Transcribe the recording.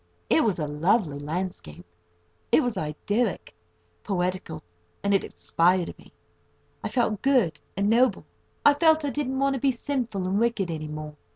It was a lovely landscape. It was idyllic, poetical, and it inspired me. I felt good and noble. I felt I didn't want to be sinful and wicked any more.